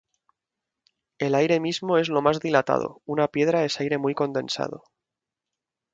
El aire mismo es lo más dilatado, una piedra es aire muy condensado.